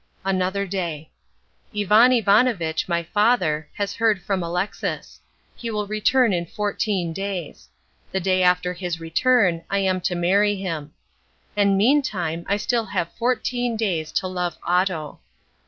Another Day. Ivan Ivanovitch, my father, has heard from Alexis. He will return in fourteen days. The day after his return I am to marry him. And meantime I have still fourteen days to love Otto.